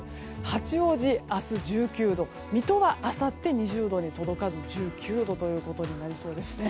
八王子、明日１９度水戸はあさって２０度に届かず１９度ということになりそうですね。